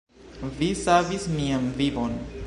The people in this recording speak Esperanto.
Vi savis mian vivon.